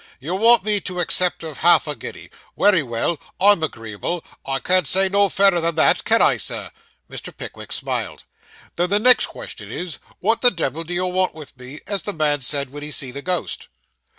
You want me to accept of half a guinea. Wery well, I'm agreeable: I can't say no fairer than that, can I, sir?' (Mr. Pickwick smiled.) Then the next question is, what the devil do you want with me, as the man said, wen he see the ghost?